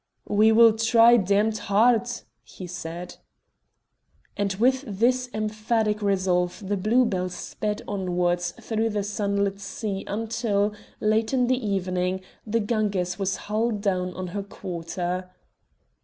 "We will try damned ha r rd," he said. And with this emphatic resolve the Blue Bell sped onwards through the sunlit sea until, late in the evening, the Ganges was hull down on her quarter.